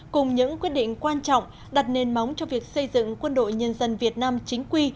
cùng những quyết định quan trọng đặt nền móng cho việc xây dựng quân đội nhân dân việt nam chính quy